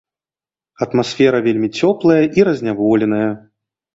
Атмасфера вельмі цёплая і разняволеная.